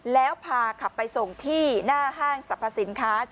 แล้วพาขับไปส่งที่หน้าห้างสรรพสินค้า